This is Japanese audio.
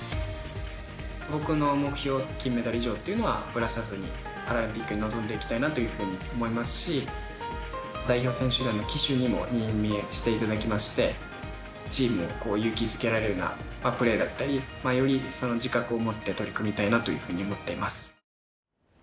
僕の目標金メダル以上というのはぶらさずにパラリンピックに臨んでいきたいなというふうに思いますし代表選手団の旗手にも任命していただきましてチームを勇気づけられるようなプレーだったりより自覚を持って取り組みたいなと思っています。